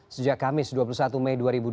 sejak kamis dua puluh satu mei dua ribu dua puluh